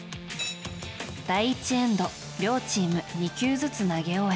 第１エンド両チーム２球ずつ投げ終え